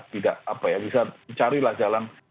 tidak apa ya bisa carilah jalan